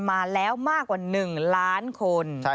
มาแล้วมากกว่า๑ล้านคน